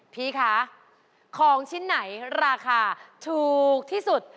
พี่คะของชิ้นไหนราคาถูกที่สุด